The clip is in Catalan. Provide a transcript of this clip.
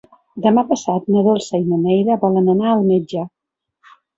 Demà passat na Dolça i na Neida volen anar al metge.